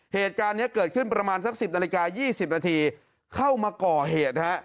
เหตุการณ์นี้เกิดขึ้นประมาณสัก๑๐นาฬิกา๒๐นาทีเข้ามาก่อเหตุนะฮะ